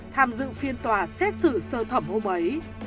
tham dự phiên tòa xét xử sơ thẩm hôm ấy